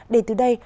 để từ đây